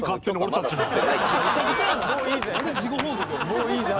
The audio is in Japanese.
もういいゼ！